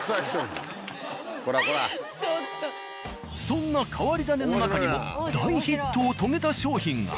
そんな変わり種の中にも大ヒットを遂げた商品が。